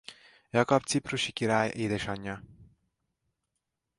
Jakab ciprusi király édesanyja.